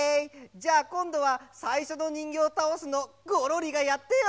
じゃあこんどはさいしょのにんぎょうたおすのゴロリがやってよ！